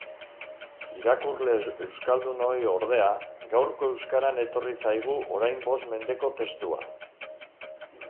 Irakurle euskaldunoi, ordea, gaurko euskaran etorri zaigu orain bost mendeko testua.